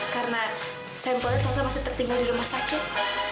karena sampelnya ternyata masih tertinggal di rumah sakit